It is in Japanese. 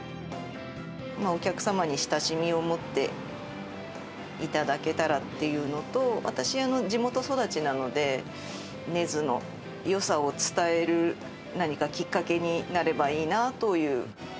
お客様に親しみを持っていただけたらっていうのと、私、地元育ちなので、根津のよさを伝える何かきっかけになればいいなという。